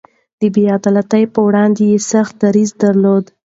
د بې عدالتۍ پر وړاندې يې سخت دريځ درلود.